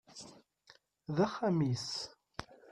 D axxam-is.